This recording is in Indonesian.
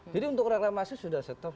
jadi untuk reklamasi sudah set off